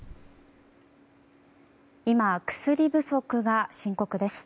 今、薬不足が深刻です。